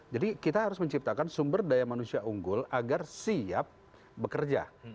jadi kita harus menciptakan sumber daya manusia unggul agar siap bekerja